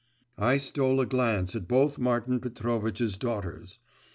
I stole a glance at both Martin Petrovitch's daughters.